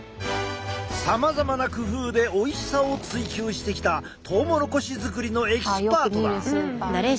さまざまな工夫でおいしさを追求してきたトウモロコシ作りのエキスパートだ。